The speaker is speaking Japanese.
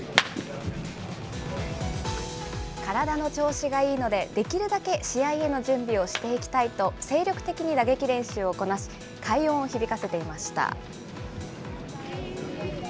体の調子がいいので、できるだけ試合への準備をしていきたいと、精力的に打撃練習をこなし、快音を響かせていました。